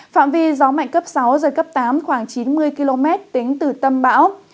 phạm vi gió mạnh cấp sáu giật cấp tám khoảng chín mươi km tính từ tâm bão